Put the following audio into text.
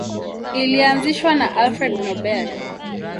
Ilianzishwa na Alfred Nobel.